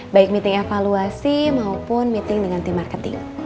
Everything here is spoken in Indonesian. baik meeting evaluasi maupun meeting dengan tim marketing